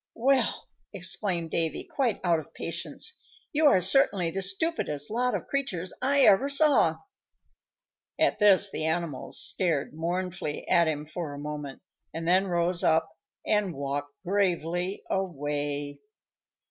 "Well!" exclaimed Davy, quite out of patience. "You are certainly the stupidest lot of creatures I ever saw." At this the animals stared mournfully at him for a moment, and then rose up and walked gravely away.